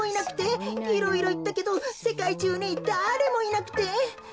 いろいろいったけどせかいじゅうにだれもいなくて。